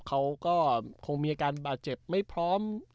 เขาก็คงมีอาการบาดเจ็บไม่พร้อม